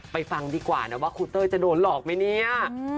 ฟังดีกว่านะว่าครูเต้ยจะโดนหลอกไหมเนี่ย